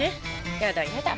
やだやだ。